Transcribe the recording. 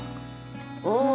うん。